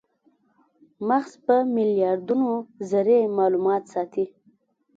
مغز په میلیاردونو ذرې مالومات ساتي.